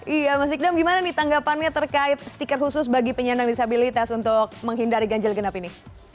iya mas ikdam gimana nih tanggapannya terkait stiker khusus bagi penyandang disabilitas untuk menghindari ganjil genap ini